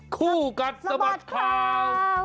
คู่กันสบัดครับ